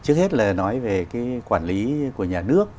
trước hết là nói về cái quản lý của nhà nước